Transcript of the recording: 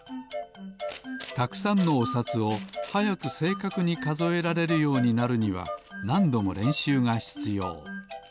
たくさんのおさつをはやくせいかくにかぞえられるようになるにはなんどもれんしゅうがひつよう。